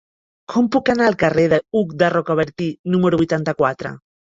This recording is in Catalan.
Com puc anar al carrer d'Hug de Rocabertí número vuitanta-quatre?